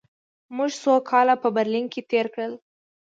موږ څو کاله په برلین کې تېر کړل